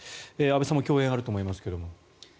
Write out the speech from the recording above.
安部さんも共演あると思いますが。